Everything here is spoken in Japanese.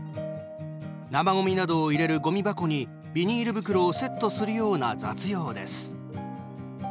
生ごみなどを入れるごみ箱にビニール袋をセットするような雑用です。